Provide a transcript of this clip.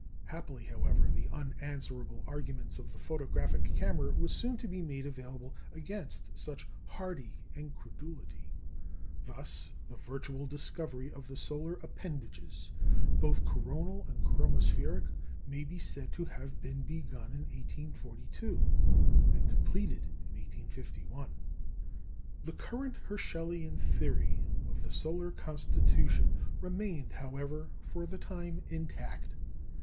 Happily, however, the unanswerable arguments of the photographic camera were soon to be made available against such hardy incredulity. Thus, the virtual discovery of the solar appendages, both coronal and chromospheric, may be said to have been begun in 1842, and completed in 1851. The current Herschelian theory of the solar constitution remained, however, for the time, intact.